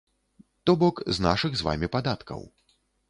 То бок, з нашых з вамі падаткаў.